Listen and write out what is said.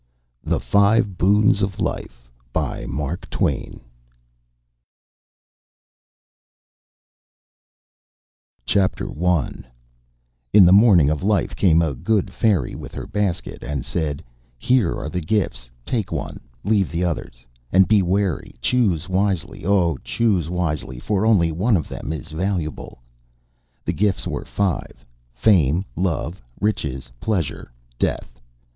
THE FIVE BOONS OF LIFE Chapter I In the morning of life came a good fairy with her basket, and said: "Here are gifts. Take one, leave the others. And be wary, choose wisely; oh, choose wisely! for only one of them is valuable." The gifts were five: Fame, Love, Riches, Pleasure, Death.